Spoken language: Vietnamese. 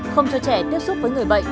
không cho trẻ tiếp xúc với người bệnh